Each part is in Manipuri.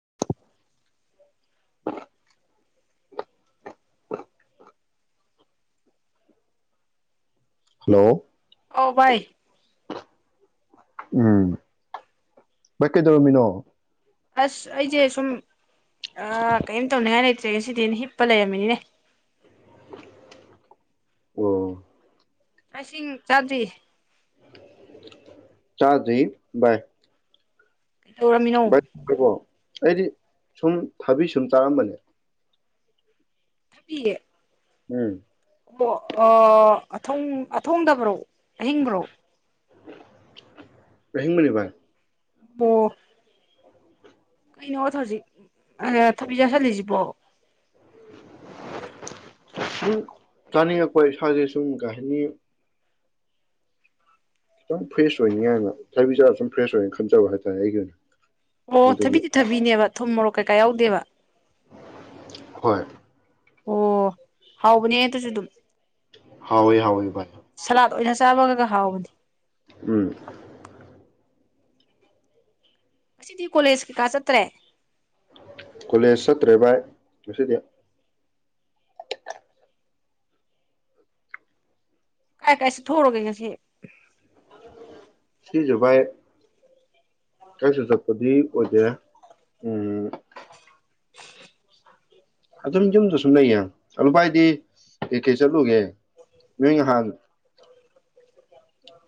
[inaudible] ꯍꯜꯂꯣ ꯑꯧ ꯚꯏ ꯎꯝ ꯚꯩ ꯀꯩꯗꯧꯔꯝꯃꯤꯅꯣ ꯑꯁ ꯑꯩꯁꯦ ꯁꯨꯝ ꯑ ꯀꯩ ꯇꯧꯅ ꯌꯥꯅꯦ ꯦ ꯁꯤꯗꯤ ꯍꯤꯞꯄ ꯂꯩꯔꯝꯃꯤꯅꯤꯅꯦ ꯑꯣ ꯇꯁꯤꯡ ꯆꯥꯗꯤ ꯆꯥ ꯊ ꯏ ꯀꯩꯗꯧꯔꯝꯃꯤꯅꯣ ꯁ ꯊꯕꯣ ꯑꯩꯗꯤ ꯁꯨꯝ ꯊꯥꯕꯤ ꯁꯨꯝ ꯇꯥꯔꯝꯕꯅꯦ ꯊꯕꯤꯦ ꯎꯝ ꯑꯣ ꯑꯊꯣꯡꯗꯕ꯭ꯔꯣ ꯑꯍꯤꯡꯕ꯭ꯔꯣ ꯑꯍꯤꯡꯕꯅꯦ ꯕꯥꯏ ꯑꯣ ꯀꯩꯅꯣ ꯊꯖꯤꯛ ꯊꯕꯤ ꯆꯥꯁꯤꯜꯂꯤꯁꯤꯕꯣ ꯁꯨꯝ ꯆꯥꯅꯤꯡꯉꯛꯄ ꯏꯁꯥꯥꯁꯦ ꯁꯨꯝ ꯀꯩ ꯍꯥꯏꯅꯤ ꯈꯤꯇꯪ ꯐ꯭ꯔꯦꯁ ꯑꯣꯏꯅꯤ ꯍꯥꯏꯥꯏꯅ ꯊꯥꯏꯕꯤ ꯆꯕꯁꯦ ꯁꯨꯝ ꯐ꯭ꯔꯦꯁ ꯑꯣꯏ ꯈꯟꯖꯕ ꯍꯥꯏꯇꯥꯔꯦ ꯑꯩꯒꯤ ꯑꯣꯏꯅ ꯑꯣ ꯑꯗꯨꯒꯤ ꯊꯕꯤꯗꯤ ꯊꯕꯤꯅꯦꯕ ꯊꯨꯝ ꯃꯣꯔꯣꯛ ꯀꯩꯀꯥ ꯌꯥꯎꯗꯦꯕ ꯍꯣꯏ ꯑꯣ ꯍꯥꯎꯕꯅꯦ ꯍ ꯑꯗꯨꯁꯨ ꯑꯗꯨꯝ ꯍꯥꯎ ꯑꯦ ꯍꯥꯎ ꯏꯦ ꯕꯥꯏ [unintelligible] ꯆꯥꯕꯒꯒ ꯍꯥꯎꯕꯗꯤ ꯎꯝ ꯑꯁꯤ ꯗꯤ ꯀꯣꯂꯦꯖ ꯀꯥꯀ ꯆꯇ꯭ꯔꯦ ꯀꯣꯂꯦꯖ ꯆꯠꯇ꯭ꯔꯦ ꯚꯥꯏ ꯉꯁꯤꯗꯤ ꯀꯥꯏ ꯀꯥꯏ ꯆꯊꯣꯔꯒꯦ ꯉꯁꯤ ꯁꯤꯁꯨ ꯚꯥꯏ ꯀꯔꯤꯁꯨ ꯆꯠꯄꯗꯤ ꯑꯣꯏꯗꯦꯔꯦ ꯎꯝ ꯑꯗꯨꯝ ꯌꯨꯝꯗ ꯁꯨꯝ ꯂꯩꯌꯦ ꯕꯥꯏꯗꯤ ꯀꯦ ꯀꯦ ꯆꯠꯂꯨꯒꯦ ꯅꯣꯏ ꯅꯍꯥꯜ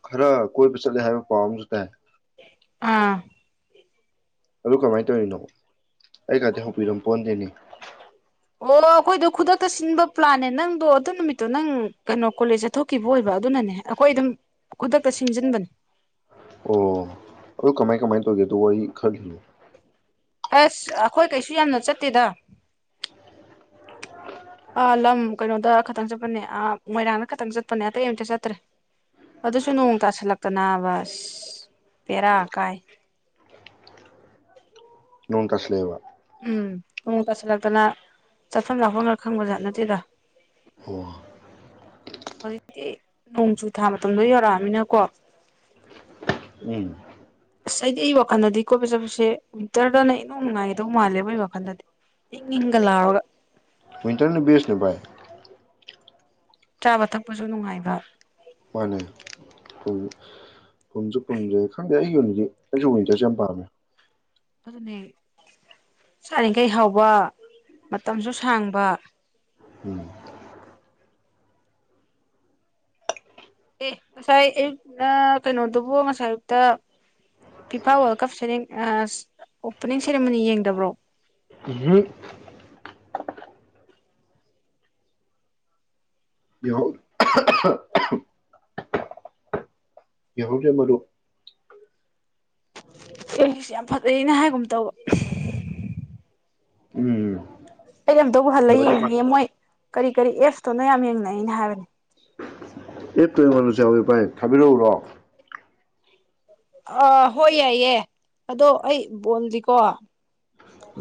ꯈꯔ ꯀꯣꯏꯕ ꯆꯠꯂꯦ ꯍꯥꯏꯕ ꯄꯥꯎ ꯑꯃꯁꯁꯨ ꯇꯥꯏ ꯑꯥ ꯑꯗꯨ ꯀꯃꯥꯏꯅ ꯇꯧꯔꯤꯅꯣ ꯑꯩ ꯀꯗꯤ ꯍꯧꯕꯤꯔꯝ ꯄꯣꯟꯗꯦꯅꯦ ꯑꯣ ꯑꯩꯈꯣꯏꯗꯣ ꯈꯨꯗꯛꯇ ꯁꯤꯟꯕ ꯄ꯭ꯂꯥꯟꯅꯦ ꯅꯪꯗꯣ ꯑꯗꯨ ꯅꯨꯃꯤꯠꯇꯣ ꯅꯪ ꯀꯩꯅꯣ ꯀꯣꯂꯦꯖ ꯆꯠꯊꯣꯛꯈꯤꯕ ꯑꯣꯏꯕ ꯑꯗꯨꯅꯅꯦ ꯑꯩꯈꯣꯏ ꯑꯗꯨꯝ ꯈꯨꯗꯛꯇ ꯁꯤꯟꯁꯤꯟꯕꯅꯦ ꯑꯣ ꯑꯗꯨ ꯀꯃꯥꯏ ꯀꯃꯥꯏ ꯇꯧꯒꯦꯗꯣ ꯋꯥꯔꯤ ꯈꯔ ꯂꯤꯌꯣ ꯑꯁ ꯑꯩꯈꯣꯏ ꯀꯩꯁꯨ ꯌꯥꯝꯅ ꯆꯠꯇꯦꯗ ꯑꯥ ꯂꯝ ꯀꯩꯅꯣꯗ ꯈꯇꯪ ꯆꯠꯄꯅꯦ ꯑꯥ ꯃꯣꯏꯔꯥꯡꯗ ꯈꯇꯪ ꯆꯠꯄꯅꯦ ꯑꯇꯩ ꯑꯨꯇ ꯆꯠꯇ꯭ꯔꯦ ꯑꯗꯨꯁꯨ ꯅꯣꯡ ꯇꯥꯁꯤꯜꯂꯛꯇꯅꯕ ꯕꯦꯔꯥ ꯀꯥꯏ ꯅꯣꯡ ꯇꯁꯜꯂꯛ ꯑꯦ ꯕ ꯎꯝ ꯅꯨꯡ ꯇꯥꯁꯤꯜꯂꯛꯇꯅ ꯆꯠꯐꯝ ꯂꯥꯛꯐꯝ ꯈꯔ ꯈꯪꯕꯖꯥꯠ ꯅꯠꯇꯦꯗ ꯍ ꯍꯧꯖꯤꯛꯇꯤ ꯅꯣꯡꯖꯨ ꯊꯥ ꯃꯇꯝꯗꯣ ꯌꯧꯔꯛꯑꯃꯤꯅꯀꯣ ꯎꯝ ꯑꯁ ꯑꯩꯗꯤ ꯑꯩ ꯋꯥꯈꯜꯗꯗꯤ ꯀꯣꯕ ꯆꯠꯄꯁꯦ ꯋꯤꯟꯇꯔꯗꯅ ꯏꯅꯧ ꯅꯨꯡꯉꯥꯏꯒꯗꯧ ꯃꯥꯜꯂꯦꯕꯣ ꯏꯩ ꯋꯥꯈꯜꯗꯗꯤ ꯏꯪ ꯏꯪꯒ ꯂꯥꯎꯔꯒ ꯋꯤꯜꯇꯔ ꯅ ꯕꯦꯁꯅꯤ ꯕꯥꯏ ꯆꯥꯕ ꯊꯛꯄꯁꯨ ꯅꯨꯡꯉꯥꯏꯕ ꯃꯥꯅꯦꯟ ꯄꯨꯟꯁꯦ ꯈꯪꯗꯦ ꯑꯩꯒꯤ ꯑꯣꯏꯅꯗꯤ ꯑꯩꯁꯨ ꯋꯤꯟꯇꯔꯁꯦ ꯌꯥꯝ ꯄꯥꯝꯃꯦ ꯑꯗꯨꯅꯤ ꯆꯥꯔꯤꯈꯩ ꯍꯥꯎꯕ ꯃꯇꯝꯁꯨ ꯁꯥꯡꯕ ꯎꯝ ꯑꯦ ꯉꯁꯥꯏ ꯑꯌꯨꯛꯅ ꯀꯩꯅꯣꯗꯨꯕꯨ ꯉꯁꯥꯏ ꯑꯌꯨꯛꯇ ꯐꯤꯐꯥ ꯋꯥꯔꯜ ꯀꯞ ꯁꯦꯔꯦꯡ ꯑꯣꯄꯅꯤꯡ ꯁꯦꯔꯦꯃꯣꯅꯤ ꯌꯦꯡꯗꯕ꯭ꯔꯣ ꯎꯝꯍꯨꯝ ꯌꯥꯍꯧ ꯌꯦꯡꯍꯧꯗ꯭ꯔꯦ ꯃꯔꯨꯞ ꯏꯪꯂꯤꯁ ꯌꯥꯝ ꯐꯖꯩꯩꯅ ꯍꯥꯏꯒꯨꯝ ꯇꯧꯕ ꯎꯝ ꯑꯩ ꯑꯝꯇꯕꯨ ꯍꯜꯂ ꯐꯖꯕꯗꯤ ꯃꯥꯜꯂꯤ ꯌꯦꯡꯅꯤꯡꯉꯦ ꯃꯣꯏ ꯀꯔꯤ ꯀꯔꯤ ꯑꯦꯐ [unintelligible] ꯌꯥꯝ ꯌꯦꯡꯅꯩ ꯅ ꯍꯥꯏꯕꯅꯦ ꯑꯦꯞꯇꯣ ꯏꯩꯉꯣꯜꯗꯁꯨ ꯌꯥꯎ ꯏ ꯕꯥꯏ ꯊꯥꯕꯤꯔꯛꯎꯔꯣ ꯑ ꯍꯣꯏ ꯌꯥꯏꯌꯦ ꯑꯗꯣ ꯑꯩ ꯕꯣꯟꯗꯤꯀꯣ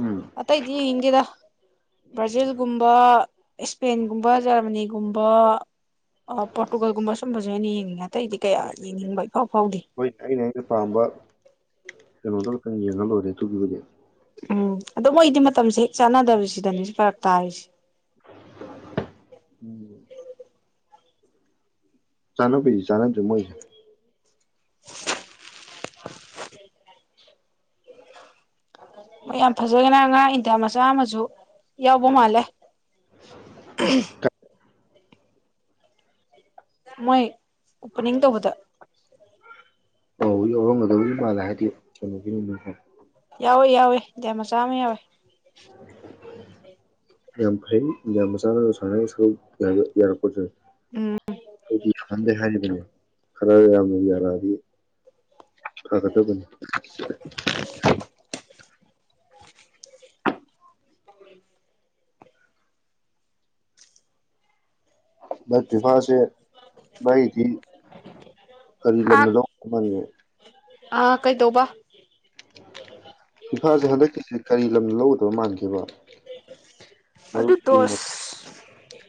ꯎꯝ ꯑꯇꯩꯗꯤ ꯌꯦꯡꯅꯤꯡꯗꯦꯗ ꯕ꯭ꯔꯥꯖꯤꯜꯒꯨꯝꯕ ꯏꯁꯄꯦꯟꯒꯨꯝꯕ ꯖꯔꯃꯅꯤꯒ ꯒꯨꯝꯕ ꯑꯣ ꯄꯔꫭꯇꯨꯒꯜꯒꯨꯝꯕ ꯁꯨꯝꯕꯁꯦ [inaudible] ꯑꯇꯩꯗꯤ ꯀꯌꯥ ꯌꯦꯡꯅꯤꯡꯕ ꯏꯐꯥꯎ ꯐꯥꯎꯗꯦ ꯀꯩꯅꯣꯗ ꯀ ꯌꯦꯉ ꯑꯣꯏꯔꯦ ꯇꯨꯒꯤꯕꯨꯗꯦ ꯎꯝ ꯑꯣ ꯃꯣꯏꯗꯤ ꯃꯇꯝꯁꯦ ꯍꯦꯛ ꯆꯥꯟꯅꯗꯕꯁꯤꯗꯅꯦ ꯁꯤ ꯐꯔꯛ ꯇꯥꯔꯤꯁꯦ ꯎꯝ ꯆꯅ ꯄꯤ ꯆꯅ ꯃꯣꯣꯏꯁ [inaudible] ꯃꯣꯏ ꯌꯥꯝ ꯐꯖꯈꯅ ꯉꯥ ꯏꯟꯊ ꯃꯆꯥ ꯑꯃꯁꯨ ꯌꯥꯎꯕ ꯃꯥꯜꯂꯦ ꯃꯣꯏ ꯑꯣꯄꯅꯤꯡ ꯇꯧꯕꯗ ꯂꯧꯔꯝꯒꯗꯧꯔꯤ ꯃꯥꯂ ꯍꯥꯏꯗꯤ ꯀꯩꯅꯣꯒꯤ ꯌꯥꯎꯋꯦ ꯌꯥꯎꯋꯦ ꯗꯦꯝ ꯃꯆꯥ ꯑꯃ ꯌꯥꯎꯋꯦ ꯌꯥꯝ ꯐꯩ ꯌꯥꯝ ꯃꯁꯥꯅ ꯁꯥꯟꯅ ꯌꯥ ꯌꯥꯔꯀꯁ ꯎꯝ ꯑꯗꯨꯗꯤ ꯈꯟꯗꯩ ꯍꯥꯏꯔꯤꯕꯅꯤ ꯈꯔ ꯌꯥꯝꯅ ꯌꯥꯔꯛꯑꯗꯤ ꯐꯒꯗꯕꯅꯤ [inaudible] ꯎꯝ ꯐꯤꯐꯥꯥꯁꯦ ꯥꯏ ꯊ ꯀꯔꯤ ꯍꯥꯞ ꯂꯝꯅ ꯂꯣ ꯈꯪꯉꯦ ꯑ ꯀꯩ ꯇꯣꯕ ꯐꯤꯐꯥꯖꯍꯂ ꯀꯁꯦ ꯀꯔꯤ ꯂꯝꯅ ꯂꯧꯒꯗꯕ ꯃꯥꯟꯈꯤꯕ ꯑꯗꯨ ꯇꯣꯁ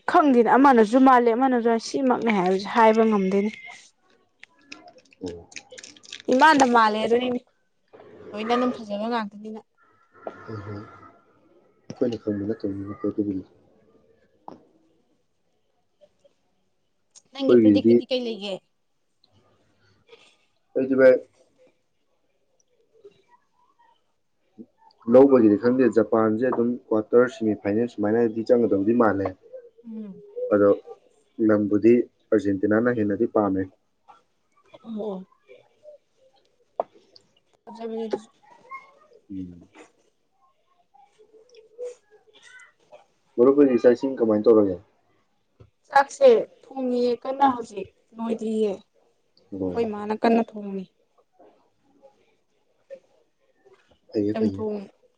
ꯈꯪꯗꯦꯅꯦ ꯑꯃꯅꯁꯨ ꯃꯥꯜꯜꯂꯤ ꯑꯃꯅꯁꯨ ꯁꯤꯃꯛꯅꯦ ꯍꯥꯏꯕꯁꯦ ꯍꯥꯏꯕ ꯉꯝꯗꯣꯏꯅꯤ ꯎꯝ ꯏꯃꯥꯟꯗ ꯃꯥꯜꯂꯦ ꯑꯗꯨꯏꯅꯦ ꯂꯣꯏꯅ ꯑꯗꯨꯝ ꯐꯖꯕ ꯉꯥꯛꯇꯅꯤꯅ ꯎꯍꯨꯝ ꯣꯏ ꯇ ꯅꯪꯒꯤ ꯄꯗꯤꯛ ꯑꯩꯈꯣꯏꯒꯤꯗꯤ ꯀꯗꯤ ꯀꯩ ꯂꯩꯒꯦ [inaudible] ꯑꯗꯨꯖꯤꯚꯥꯏ ꯂꯧꯕꯒꯤꯅꯤ ꯈꯪꯗꯦ ꯖꯄꯥꯟꯁꯦ ꯑꯗꯨꯝ ꯀ꯭ꯋꯥꯇꯔ ꯁꯤꯦꯃꯤꯐꯥꯏꯅꯦꯜ ꯁꯨꯃꯥꯏꯅꯗꯤ ꯆꯪꯒꯗꯕꯗꯤ ꯃꯥꯜꯂꯦ ꯑꯣ ꯑꯗꯣ ꯂꯝꯕꯨ ꯗꯤ ꯑꯔꯖꯦꯟꯇꯤꯅꯥꯅ ꯍꯦꯟꯅꯗꯤ ꯄꯥꯝꯃꯦ ꯑꯣ ꯆ ꯃꯤꯠ ꯎꯝ [inaudible] ꯒ꯭ꯔꯨꯞꯈꯁꯤꯡ ꯀꯃꯥꯏꯅ ꯇꯧꯔꯒꯦ ꯆꯥꯛꯁꯦ ꯊꯣꯡꯉꯌꯦ ꯀꯟꯅ ꯍꯧꯖꯤꯛ ꯅꯣꯏꯗꯤꯌꯦ ꯑꯣ ꯑꯩꯣꯏ ꯃꯥꯅꯀꯅ ꯊꯣꯡꯅꯤ ꯀꯌꯦ ꯀꯩꯨ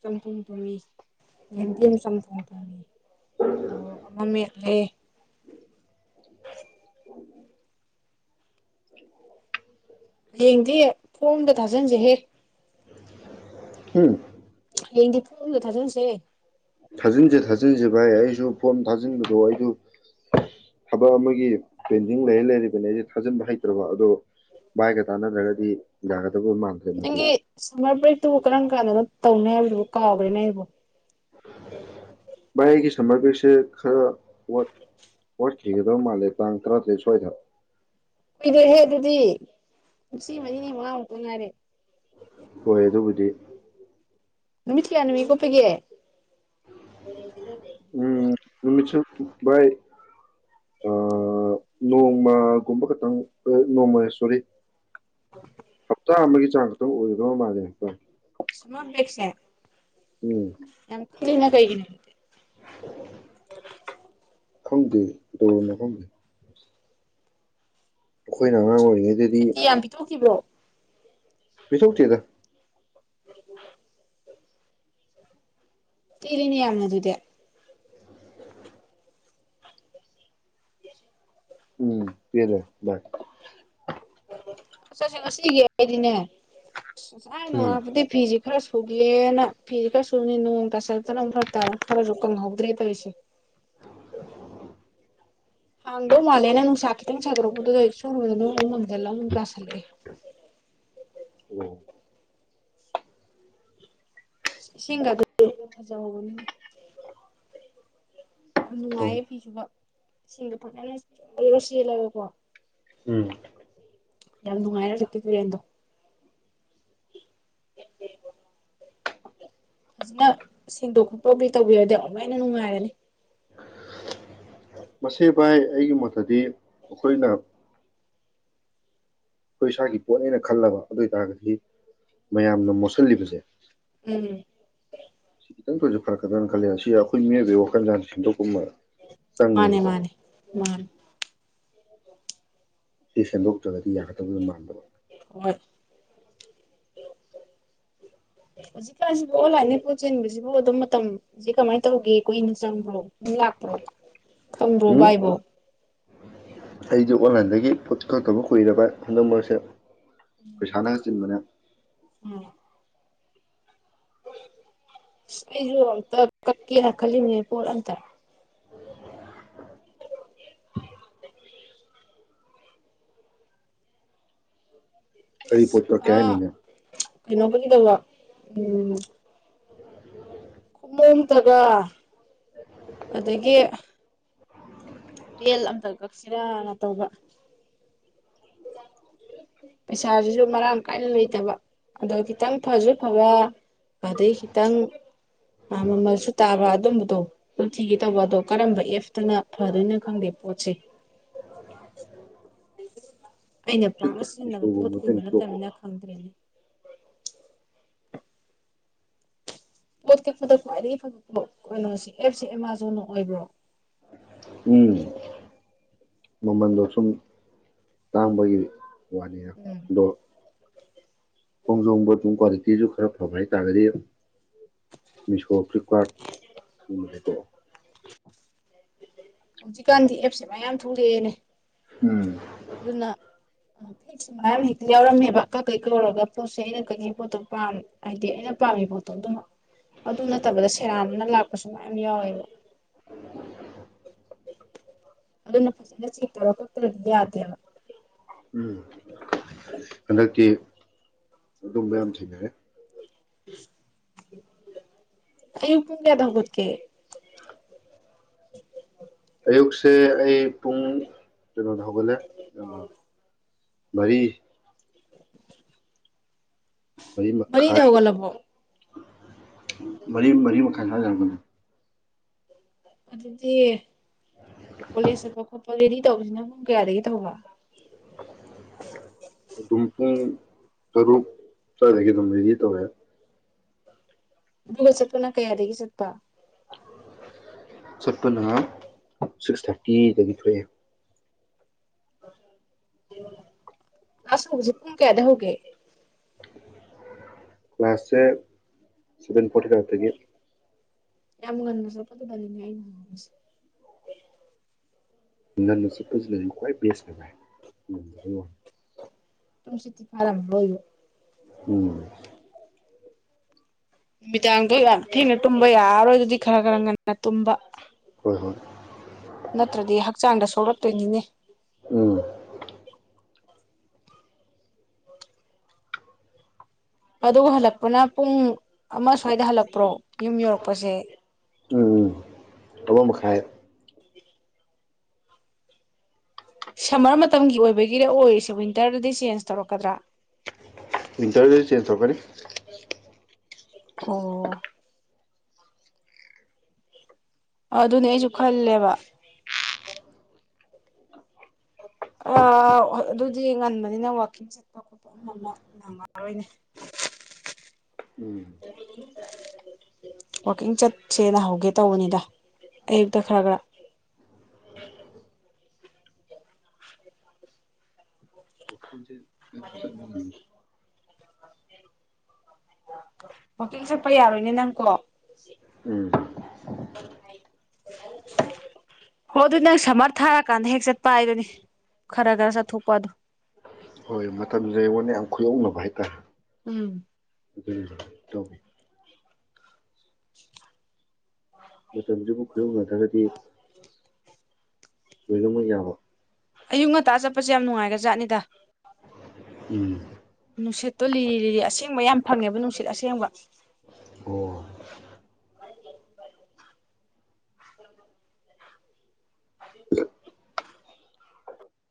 ꯆꯝꯄꯨꯄꯕꯤꯁ ꯦꯟꯗꯤ ꯃ ꯆꯝ ꯇꯣꯡ ꯇꯅꯤ ꯑ ꯉꯃꯦꯂꯦ [unintelligible] ꯍꯌꯦꯡꯗꯤ ꯐꯣꯝꯗ ꯊꯥꯖꯤꯟꯁꯦ ꯍꯦꯛ ꯎꯝ ꯌꯦꯡꯗꯤ ꯄꯨꯂ ꯊꯖꯅꯁꯦ ꯊꯥꯖꯤꯟꯁꯦ ꯊꯥꯖꯤꯟꯁꯦ ꯚꯥꯏ ꯑꯩꯁꯨ ꯐꯣꯝ ꯊꯥꯖꯤꯟꯕꯗꯣ ꯑꯩꯁꯨ ꯊꯕꯛ ꯑꯃꯒꯤ ꯄꯦꯟꯗꯤꯡ ꯂꯩꯔ ꯂꯩꯔꯤꯕꯅꯦ ꯑꯩꯁ ꯊꯥꯖꯤꯟꯕ ꯍꯩꯇ꯭ꯔꯕ ꯑꯗꯣ ꯚꯥꯏꯒ ꯇꯥꯟꯅꯗ꯭ꯔꯒꯗꯤ ꯌꯥꯒꯗ ꯅꯪꯒꯤ ꯁꯥꯏ ꯄ ꯇꯕꯨ ꯀꯔ ꯀꯥꯟꯗꯅ ꯇꯧꯅꯤ ꯍꯥꯏꯕꯗꯨꯕꯨ ꯀꯥꯎꯈ꯭ꯔꯦꯅꯦ ꯍꯥꯏꯕꯕꯨ ꯃꯥꯏꯒꯤ ꯁꯝꯒꯔꯤꯦ ꯈꯔ [unintelligible] ꯊ ꯔꯧ ꯃꯥ ꯂꯩꯦ ꯇꯥꯡ ꯊ꯭ꯔꯠꯇ ꯁꯏ ꯊ ꯀꯨꯏꯗꯣꯏꯦꯍꯦ ꯑꯗꯨꯗꯤ ꯃꯤꯁꯤ ꯃꯅꯤꯅꯤ ꯃꯉꯥꯃꯨꯛꯇ ꯉꯥꯏꯔꯦ ꯍꯣꯏ ꯑꯗꯨꯕꯨꯗꯤ ꯅꯨꯃꯤꯠ ꯀꯌꯥꯅꯤꯃꯤ ꯀꯄꯒ ꯂ ꯂꯩ ꯥꯏ ꯅꯣꯡꯃꯒꯨꯝꯕ ꯈꯈꯤꯇꯪ ꯅꯣꯡꯃꯥ ꯁꯣꯔꯤ ꯍꯞꯇꯥ ꯑꯃ ꯆꯥꯒ ꯇ ꯑꯣꯏꯔꯣ ꯃꯥꯔꯦ ꯁꯨꯃꯄꯦꯁꯦ ꯎꯝ ꯌꯥꯝ ꯀꯅ ꯀꯩꯒꯤꯅꯦꯦ [unintelligible] ꯎ ꯈꯝꯗ ꯗꯧꯔꯅ ꯈꯗ ꯑꯩꯈꯣꯏꯅ ꯑꯉꯥꯡ ꯑꯣꯏ ꯁꯨꯇꯤ ꯌꯥꯝ ꯄꯤꯊꯣꯛꯈꯤꯕ꯭ꯔꯣ ꯄꯤꯤꯁꯣꯛ ꯊꯗ ꯇꯤꯔꯅꯤ ꯌꯥ ꯃ ꯑꯗꯨꯗ ꯎꯝ ꯁꯤꯗ ꯆ ꯆꯠꯁ ꯉꯁꯤꯒꯦ ꯍꯥꯏꯗꯤꯅꯦ ꯎꯝ ꯥꯏꯅꯅꯨꯡꯗꯤ ꯐꯤꯖꯤ ꯈꯔ ꯁꯨꯒꯦꯅ ꯐꯤꯁꯦ ꯈꯔ ꯁꯨꯅꯤ ꯅꯣꯡ ꯇꯥꯁꯂꯛꯇꯅ ꯐ ꯇꯥꯗꯅ ꯈꯔꯁꯨ ꯀꯪꯍꯧꯗ꯭ꯔꯦ ꯇꯧꯔꯤꯁꯦ ꯍꯥꯡꯗꯣ ꯃꯥꯂꯦꯅ ꯅꯨꯡꯁꯥ ꯈꯤꯇꯪ ꯁꯥꯗꯣꯔꯛꯄꯗꯨꯗ [inaudible] ꯎꯝ ꯏꯁꯤꯡꯒ ꯑꯗꯨ ꯐꯖꯍꯧꯕꯅꯤ ꯌꯥꯝ ꯍꯣꯏ ꯅꯨꯡꯉꯥꯏꯌꯦ ꯐꯤꯁꯨꯕ ꯏꯁꯤꯡꯗ ꯐꯖꯅꯔ ꯆꯦꯜꯂꯒꯀꯣ ꯎꯝ ꯌꯥꯝ ꯅꯨꯡꯉꯥꯏꯔ ꯆꯇꯛꯇꯦꯦꯟꯗꯣ ꯐꯖꯅ ꯁꯦꯡꯗꯣꯛ ꯈꯣꯠꯇꯣꯛꯗꯤ ꯇꯧꯕꯤꯔꯗꯤ ꯑꯃꯨꯛꯥꯏꯅ ꯅꯨꯡꯉꯥꯏꯔꯅꯤ ꯃꯁꯦ ꯥꯏ ꯑꯩꯒꯤ ꯃꯣꯠꯇꯗꯤ ꯑꯩꯈꯣꯏꯅ ꯑꯩꯈꯣꯏ ꯏꯁꯥꯒꯤ ꯄꯣꯠꯅꯦꯅ ꯈꯜꯂꯕ ꯑꯗꯨ ꯑꯣꯏꯇꯥꯔꯒꯗꯤ ꯃꯌꯥꯝꯅ ꯃꯣꯠꯁꯤꯜꯂꯤꯕꯁꯦ ꯎꯝ ꯁꯤ ꯈꯤꯇꯪ ꯄ꯭ꯔꯁꯛ ꯐꯔꯛꯀꯗ꯭ꯔꯥꯅ ꯈꯜꯂꯦ ꯑꯁꯤ ꯑꯩꯈꯣꯏ ꯃꯤꯑꯣꯏꯕꯒꯤ ꯋꯥꯈꯜꯖꯥꯟ ꯁꯦꯝꯗꯣꯛꯀꯨꯝꯕ ꯃꯥꯅꯦ ꯆꯪꯉꯦꯕꯀꯣ ꯃꯥꯅꯦ ꯃꯥꯅꯦ ꯁꯤꯁ ꯑꯗꯨꯣ ꯗꯤ ꯄꯖ ꯃꯥꯟꯗꯕ ꯍꯣꯏ ꯍꯧꯖꯤꯛꯀꯥꯟꯁꯤꯕꯨ ꯑꯣꯟꯂꯥꯏꯟꯗꯒꯤꯩ ꯄꯨꯣ ꯆꯟꯕꯁꯤꯕꯨ ꯑꯗꯨꯝ ꯃꯇꯝꯁ ꯀꯃꯥꯏꯅ ꯇꯧꯒꯦ ꯀꯨꯏꯅ ꯆꯪꯕ꯭ꯔꯣ ꯂꯥꯛꯄ꯭ꯔꯣ ꯈꯪꯕ꯭ꯔꯣ ꯕꯥꯏꯕꯣ ꯑꯩꯁꯨ ꯑꯣꯟꯂꯥꯏꯟꯗꯒꯤ ꯐꯨꯠ ꯀꯔꯇꯧꯕ ꯀꯨꯏꯔꯕ ꯍꯟꯗꯛ ꯃꯔꯁꯦ ꯎ ꯎꯝ ꯑꯩꯁꯨ ꯀꯛꯀꯦꯅ ꯈꯜꯂꯤꯅꯦ ꯄꯣꯠ ꯑꯇ ꯀꯔꯤ ꯄꯣꯠꯇꯥ ꯀꯌꯥ ꯀꯩꯅꯣꯧꯕꯒꯤꯗꯧꯕ ꯎꯝ ꯀꯣꯝꯇꯒ ꯑꯗꯒꯤ ꯕꯦꯜ ꯑꯝꯇ ꯀꯛꯁꯤꯔꯥꯅ ꯇꯧꯕ ꯄꯩꯁꯥꯁꯤꯁꯨ ꯃꯔꯥꯡ ꯀꯥꯏꯅ ꯂꯩꯇꯕ ꯑꯗꯣ ꯈꯤꯇꯪ ꯐꯁꯨ ꯐꯕ ꯑꯗꯩ ꯈꯤꯇꯪ ꯃꯃꯜꯁꯨ ꯇꯥꯕ ꯑꯗꯨꯝꯕꯗꯣ ꯑꯗꯨ ꯊꯤꯒꯦ ꯇꯧꯕ ꯑꯗꯣ ꯀꯔꯝꯕ ꯑꯦꯐꯇꯅ ꯐꯗꯣꯏꯅꯣ ꯈꯪꯗꯦ ꯄꯣꯠꯁꯦ ꯑꯩꯅ ꯄꯥꯛꯅ ꯐ꯭ꯂꯤꯞꯀꯥꯔꯠ ꯁꯤꯖꯤꯟꯅꯕ ꯄꯣꯠ ꯃꯤꯁꯣꯒꯨꯝꯕ ꯎꯕ ꯀꯩꯅꯣ ꯅꯠꯇꯅꯤꯅ ꯈꯪꯗ꯭ꯔꯦꯅꯦ ꯄꯣꯠ ꯀꯤꯛꯄꯗ ꯈ꯭ꯋꯥꯏꯗꯒꯤ ꯐꯕ ꯄꯣ ꯀꯩꯅꯣꯁꯤ ꯑꯦꯞꯁꯤ ꯑꯦꯃꯥꯖꯣꯟꯅ ꯑꯣꯏꯕ꯭ꯔꯣ ꯎꯝ ꯃꯃꯟꯗꯣ ꯁꯨꯝ ꯇꯥꯡꯝꯕꯒꯤ ꯋꯥꯅꯦꯅ ꯎꯝ ꯑꯗꯣ ꯀꯣꯡꯖꯣꯣꯡꯕꯔ ꯇꯨ ꯀꯔ ꯁꯤꯁꯨ ꯈꯔ ꯐꯕ ꯍꯥꯏꯇꯥꯔꯒꯗꯤ ꯃꯤꯁꯣ ꯐ꯭ꯂꯤꯞꯀꯥꯔꯠ ꯁꯤꯒꯨꯝꯕꯗꯀꯣ ꯍꯧꯖꯤꯛꯀꯥꯟꯗꯤ ꯑꯦꯞꯁꯦ ꯃꯌꯥꯝ ꯊꯣꯛꯂꯛꯑꯦꯅꯦ ꯎꯝ ꯑꯗꯨꯅ [unintelligible] ꯃꯌꯥꯝ ꯍꯦꯛꯇ ꯌꯥꯎꯔꯝꯃꯦꯕ ꯀꯛ ꯀꯩ ꯀꯧꯔꯒ ꯄꯣꯠꯁꯦ ꯑꯩꯅ ꯀꯩꯒꯤ ꯄꯣꯠꯇꯣ ꯄꯥꯝ ꯍꯥꯏꯗꯤ ꯑꯩꯅ ꯄꯥꯝꯃꯤ ꯄꯣꯠꯇꯣ ꯑꯗꯨꯃꯛ ꯑꯗꯨ ꯅꯠꯇꯕꯗ ꯁꯦꯔꯥꯅ ꯂꯥꯛꯄꯁꯨ ꯃꯌꯥꯝ ꯌꯥꯎꯋꯦꯕ [inaudible] ꯑꯗꯨꯅ ꯐꯖꯅ ꯆꯤꯠꯇꯔ ꯀꯛꯇ꯭ꯔꯗꯤ ꯌꯥꯗꯦꯕ ꯎꯝ ꯍꯟꯗꯛꯇꯤ ꯑꯗꯨꯝ ꯃꯌꯥꯝ ꯊꯦꯡꯅꯔꯦ ꯑꯩꯌꯨꯛ ꯄꯨꯡ ꯀꯌꯥꯗ ꯍꯧꯒꯠ ꯀꯦ [inaudible] [inaudible] ꯑꯌꯨꯛꯁꯦ ꯑꯩ ꯄꯨꯡ ꯀꯩꯅꯣꯗ ꯍꯧꯒꯠꯂꯦ ꯃꯔꯤ ꯃꯔꯤ ꯃꯔꯤꯗ ꯃꯈꯥꯏ ꯍꯧꯒꯠ ꯂꯕꯣ ꯃꯔꯤ ꯃꯔꯤ ꯃꯈꯥꯏ ꯁ꯭ꯋꯥꯏꯗ ꯍꯧꯒꯠꯂꯦ ꯑꯗꯨꯗꯤ ꯀꯣꯂꯦꯖ ꯆꯠꯄ ꯈꯣꯠꯄ ꯔꯦꯗꯤ ꯇꯧꯕꯁꯤꯅ ꯄꯨꯡ ꯀꯌꯥꯗꯒꯤ ꯇꯧꯕ ꯑꯗꯨꯝ ꯄꯨꯡ ꯇꯔꯨꯛ ꯁ꯭ꯋꯥꯏꯗꯒꯤ ꯑꯗꯨꯝ ꯔꯦꯗꯤ ꯇꯧꯔꯦ [unintelligible] ꯆꯠꯄꯅ ꯀꯌꯥꯗꯒꯤ ꯆꯠꯄ ꯆꯠꯄꯟ ꯁꯤꯁ ꯊꯥꯔꯇꯤ ꯇꯤꯗꯒꯤ ꯊꯣꯛꯑꯦ ꯑꯁ ꯍꯧꯖꯤꯛ ꯄꯨꯡ ꯀꯌꯥꯗ ꯍꯧꯒꯦ ꯀ꯭ꯂꯥꯁꯇ ꯁꯦ ꯁꯚꯦꯟ ꯐꯣꯔꯇꯤ ꯐꯥꯏꯚꯇꯒꯤ ꯌꯥꯝꯅ ꯉꯟꯕꯁꯨ [unintelligible] ꯉꯡꯅ ꯆꯠꯄꯁꯤꯅ ꯈ꯭ꯋꯥꯏ ꯚꯦꯁꯅꯦ ꯚꯥꯏ ꯉꯝꯗꯕꯩ ꯋꯥꯅꯤ [unintelligible] ꯎꯝ ꯅꯨꯃꯤꯗꯥꯡꯗꯣ ꯌꯥꯝ ꯊꯦꯡꯅ ꯇꯨꯝꯕ ꯌꯥꯔꯔꯣꯏ ꯑꯗꯨꯗꯤ ꯈꯔ ꯈꯔ ꯉꯟꯅ ꯇꯨꯝꯕ ꯍꯣꯏ ꯍꯣꯏ ꯅꯠꯇ꯭ꯔꯗꯤ ꯍꯛꯆꯥꯡꯗ ꯁꯣꯛꯂꯛ ꯇꯣꯏꯅꯤꯅꯦ ꯎꯝ ꯑꯗꯨꯒ ꯍꯜꯂꯛꯄꯅ ꯄꯨꯡ ꯑꯃ ꯁ꯭ꯋꯥꯏꯗ ꯍꯜꯂꯛꯄ꯭ꯔꯣ ꯌꯨꯝ ꯌꯧꯔꯛꯄꯁꯦ ꯎꯝ ꯑꯃ ꯃꯈꯥꯏꯗ ꯁꯝꯃꯔ ꯃꯇꯝꯒꯤ ꯑꯣꯏꯕꯒꯤꯔ ꯑꯣꯏꯔꯤꯁꯦ ꯋꯤꯟꯇꯔꯗꯗꯤ ꯆꯦꯟꯖ ꯇꯧꯔꯛꯀꯗ꯭ꯔꯥ ꯋꯤꯟꯇꯔꯗꯗꯤ ꯆꯦꯟꯖ ꯇꯧꯔꯛꯀꯅꯤ ꯑꯣ ꯑꯗꯨꯅꯦ ꯅꯩꯁꯨ ꯈꯜꯂꯦꯕ ꯑ ꯑꯗꯨꯗꯤ ꯉꯟꯕꯅꯤꯅ ꯋꯥꯋꯀꯤꯡ ꯆꯠꯄ ꯈꯣꯠꯄ ꯑꯃ ꯑꯃ ꯅꯪꯉꯔꯣꯏꯅꯦ ꯎꯝ ꯋꯥꯋꯀꯤꯡ ꯆꯠꯁꯦ ꯅꯍꯧꯒꯦ ꯇꯧꯕꯅꯤꯗ ꯑꯌꯨꯛꯇ ꯈꯔ ꯈꯔ ꯋꯥꯛꯀꯤꯡꯁꯦ ꯑꯩꯁꯨ ꯆꯠꯅꯤꯡꯉꯤꯅꯤ [unintelligible] ꯋꯀꯤꯡ ꯆꯠꯄ ꯌꯥꯔꯣꯏꯅꯦ ꯅꯪꯀꯣ ꯎꯝ ꯍꯣꯏ ꯑꯗꯨ ꯅꯪ ꯁꯝꯃꯔ ꯊꯥꯔꯀꯥꯟꯗ ꯍꯦꯛ ꯆꯠꯄ ꯍꯥꯏꯗꯨꯅꯦ ꯈꯔ ꯈꯔ ꯆꯠꯊꯣꯛꯄ ꯑꯗꯨ ꯍꯣꯏ ꯃꯇꯝꯖꯦ ꯑꯩꯉꯣꯟꯗ ꯌꯥꯝ ꯈꯨꯌꯧꯅꯕ ꯍꯥꯏꯇꯥꯔꯦ ꯎꯝ [unintelligible] [unintelligible] ꯃꯇꯝꯖꯤꯕꯨ ꯈꯨꯌꯧꯅꯗ꯭ꯔꯒꯗꯤ ꯎꯝ ꯔꯃ ꯌꯥꯕꯣ ꯑꯌꯨꯛ ꯉꯟꯇꯥ ꯆꯠꯄꯁꯦ ꯌꯥꯝ ꯅꯨꯡꯉꯥꯏꯔ ꯖꯥꯠꯅꯤꯗ ꯎꯝ ꯅꯨꯡꯁꯤꯠꯇꯣ ꯂꯤꯔꯤ ꯂꯤꯔꯤ ꯑꯁꯦꯡꯕ ꯌꯥꯝ ꯐꯪꯉꯦꯕ ꯅꯨꯡꯁꯤꯠ ꯑꯁꯦꯡꯕ ꯑꯣ ꯑꯗꯨ